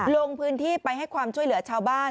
ลงพื้นที่ไปให้ความช่วยเหลือชาวบ้าน